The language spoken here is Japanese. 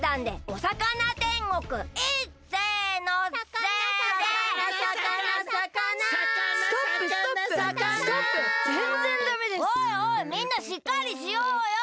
おいおいみんなしっかりしようよ！